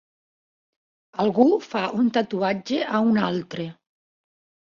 Algú fa un tatuatge a un altre